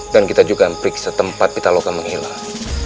dan kita juga periksa tempat pitaloka menghilang